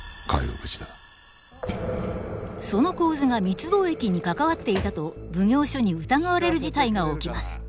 その神頭が密貿易に関わっていたと奉行所に疑われる事態が起きます。